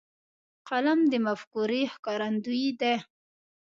قلم د مفکورې ښکارندوی دی.